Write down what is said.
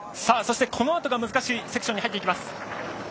さあ、そしてこのあとが難しいセクションに入っていきます。